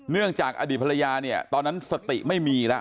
เนื่องจากอดีตภรรยาเนี่ยตอนนั้นสติไม่มีแล้ว